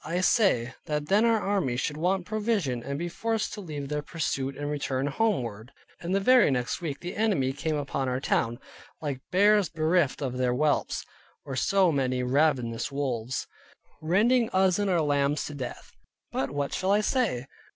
I say, that then our army should want provision, and be forced to leave their pursuit and return homeward; and the very next week the enemy came upon our town, like bears bereft of their whelps, or so many ravenous wolves, rending us and our lambs to death. But what shall I say?